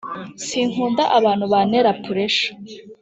Sinkunda abanu banera puresha